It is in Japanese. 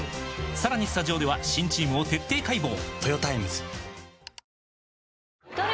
さらにスタジオでは新チームを徹底解剖！